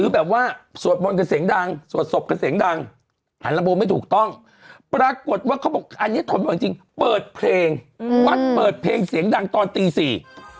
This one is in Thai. บางอย่างจริงเปิดเพลงปัดเปิดเพลงเสียงดังตอนตีสี่